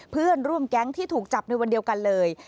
เพื่อนร่วมแก๊งที่ถูกจับในวันเดียวกันเลย